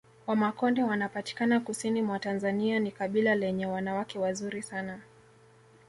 Wamakonde wanapatikana kusini mwa Tanzania ni kabila lenye wanawake wazuri sana